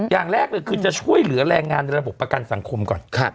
อย่างแรกเลยคือจะช่วยเหลือแรงงานในระบบประกันสังคมก่อน